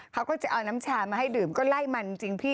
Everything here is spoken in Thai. เขาก็จะเอาน้ำชามาให้ดื่มก็ไล่มันจริงพี่